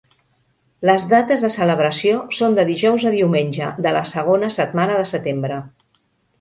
Les dates de celebració són de dijous a diumenge de la segona setmana de setembre.